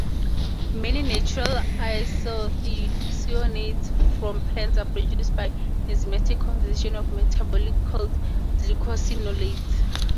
Many natural isothiocyanates from plants are produced by enzymatic conversion of metabolites called glucosinolates.